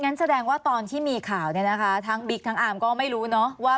แสดงว่าตอนที่มีข่าวเนี่ยนะคะทั้งบิ๊กทั้งอาร์มก็ไม่รู้เนอะว่า